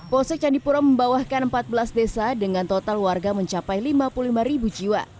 polsek candipuro membawakan empat belas desa dengan total warga mencapai lima puluh lima ribu jiwa